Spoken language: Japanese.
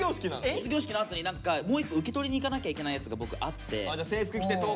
卒業式のあとに何かもう一個受け取りに行かなきゃいけないやつが僕あって。